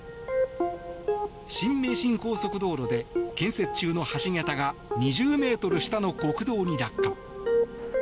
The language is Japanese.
新名神高速道路で建設中の橋桁が２０ｍ下の国道に落下。